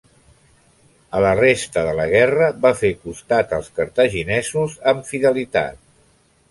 A la resta de la guerra va fer costat als cartaginesos amb fidelitat.